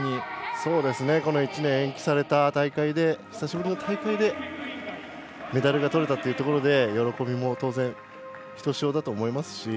１年延期された大会で久しぶりの大会でメダルがとれたというところで喜びも当然ひとしおだと思います。